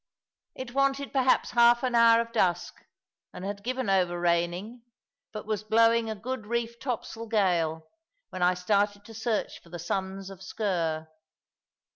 It wanted perhaps half an hour of dusk, and had given over raining, but was blowing a good reef topsail gale, when I started to search for the sons of Sker.